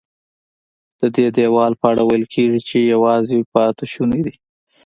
ددې دیوال په اړه ویل کېږي چې یوازینی پاتې شونی دی.